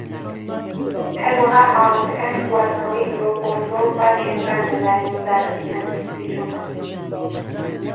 هەروەها، حاڵەتەکانی گواستنەوەی مرۆڤ بۆ مرۆڤ ڕاگەیەنران لەلایەن وەزارەتی تەندروستی تونس.